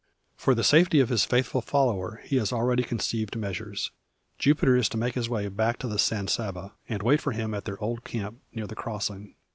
For the safety of his faithful follower he has already conceived measures. Jupiter is to make his way back to the San Saba, and wait for him at their old camp, near the crossing.